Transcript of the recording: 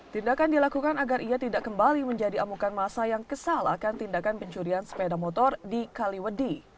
tindakan dilakukan agar ia tidak kembali menjadi amukan masa yang kesal akan tindakan pencurian sepeda motor di kaliwedi